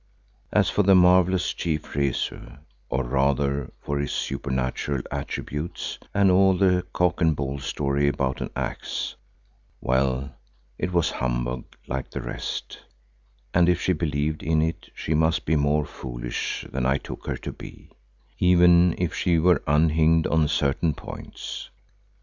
As for the marvellous chief Rezu, or rather for his supernatural attributes and all the cock and bull story about an axe—well, it was humbug like the rest, and if she believed in it she must be more foolish than I took her to be—even if she were unhinged on certain points.